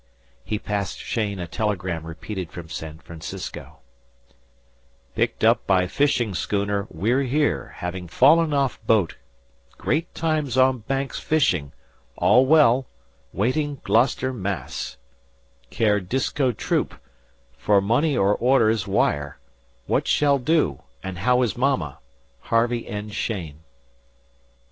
He passed Cheyne a telegram repeated from San Francisco: Picked up by fishing schooner We're Here having fallen off boat great times on Banks fishing all well waiting Gloucester Mass care Disko Troop for money or orders wire what shall do and how is Mama Harvey N. Cheyne.